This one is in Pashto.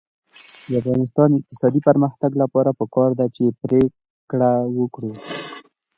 د افغانستان د اقتصادي پرمختګ لپاره پکار ده چې پرېکړه وکړو.